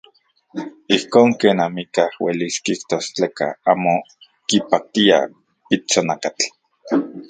Ijkon ken amikaj uelis kijtos tleka amo kipaktia pitsonakatl.